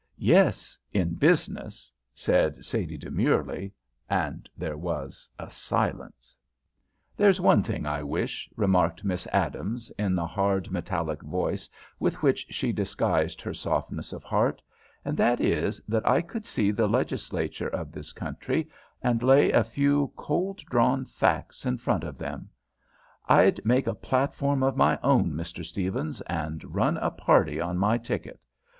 "Yes, in business," said Sadie, demurely, and there was a silence. "There's one thing I wish," remarked Miss Adams, in the hard, metallic voice with which she disguised her softness of heart, "and that is, that I could see the Legislature of this country and lay a few cold drawn facts in front of them, I'd make a platform of my own, Mr. Stephens, and run a party on my ticket.